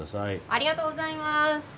ありがとうございます。